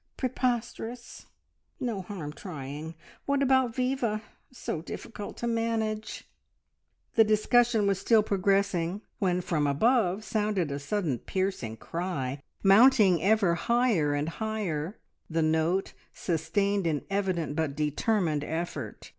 Preposterous! No harm trying. What about Viva? So difficult to manage." The discussion was still progressing when from above sounded a sudden piercing cry, mounting ever higher and higher, the note sustained in evident but determined effort.